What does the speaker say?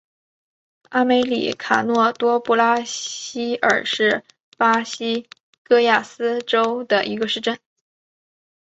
阿梅里卡诺多布拉西尔是巴西戈亚斯州的一个市镇。